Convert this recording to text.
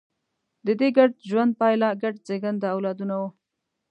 د دې ګډ ژوند پایله ګډ زېږنده اولادونه وو.